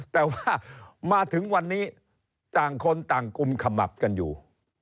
แต่ว่ามาถึงวันนี้ต่างคนต่างกุมขมับกันอยู่